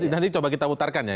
nanti coba kita putarkan ya